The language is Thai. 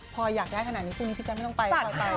พออยากได้ขนาดนี้พี่จันไม่ต้องไป